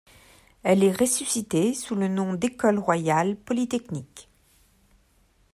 Elle est ressuscitée le sous le nom d'École royale polytechnique.